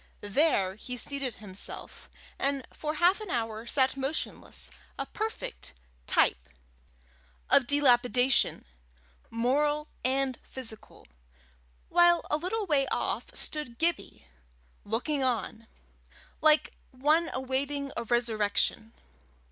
There he seated himself, and for half an hour sat motionless, a perfect type of dilapidation, moral and physical, while a little way off stood Gibbie, looking on, like one awaiting a resurrection.